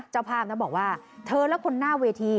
เจ้าภาพนะบอกว่าเธอและคนหน้าเวที